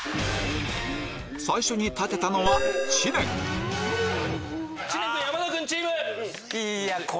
最初に立てたのは知念知念君・山田君チーム。